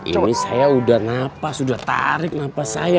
ini saya sudah napas sudah tarik nafas saya